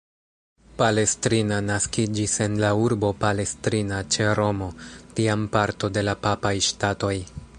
Palestrina naskiĝis en la urbo Palestrina, ĉe Romo, tiam parto de la Papaj Ŝtatoj.